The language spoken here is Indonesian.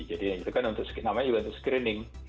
namanya juga untuk screening